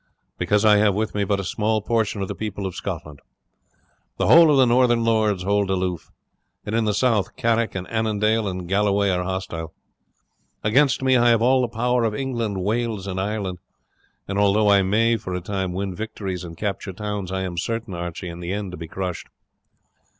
"Because I have with me but a small portion of the people of Scotland. The whole of the northern lords hold aloof, and in the south Carrick and Annandale and Galloway are hostile. Against me I have all the power of England, Wales, and Ireland; and although I may for a time win victories and capture towns I am certain, Archie, in the end to be crushed."